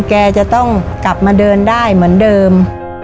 แกจะต้องกลับมาเดินได้เหมือนเดิม